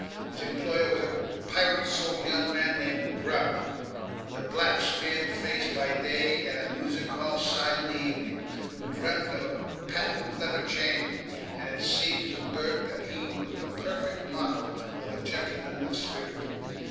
His employer was a pirate souled young man named Grubb, with a black smeared face by day, and a music hall side in the evening, who dreamt of a patent lever chain; and it seemed to Bert that he was the perfect model of a gentleman of spirit.